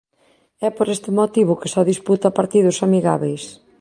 É por este motivo que só disputa partidos amigábeis.